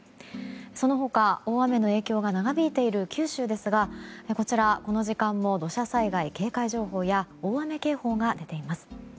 その他、大雨の影響が長引いている九州ですがこちら、この時間も土砂災害警戒情報や大雨警報が出ています。